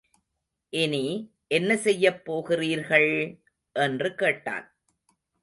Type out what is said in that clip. இனி, என்ன செய்யப் போகிறீர்கள்! என்று கேட்டான்.